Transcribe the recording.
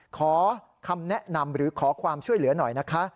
ขอคำแนะนำหรือขอความช่วยเหลือหน่อยนะคะ